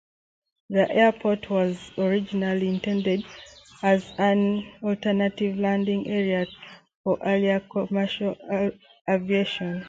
The airport was originally intended as an alternate landing area for early commercial aviation.